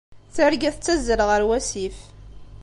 Targa tettazzal ɣer wasif.